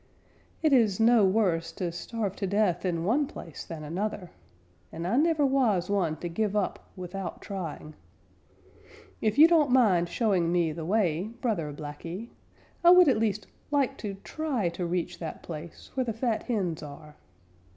"It is no worse to starve to death in one place than another, and I never was one to give up without trying. If you don't mind showing me the way, Brother Blacky, I would at least like to try to reach that place where the fat hens are.